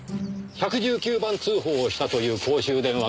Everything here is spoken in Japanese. １１９番通報をしたという公衆電話があそこ。